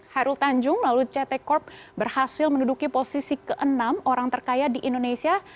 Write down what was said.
hyrule tanjung lalu ct corp berhasil menduduki posisi keenam orang terkaya di indonesia